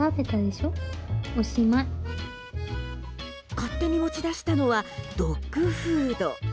勝手に持ち出したのはドッグフード。